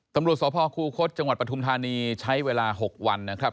ตำรวจสพคูคศจังหวัดปฐุมธานีใช้เวลา๖วันนะครับ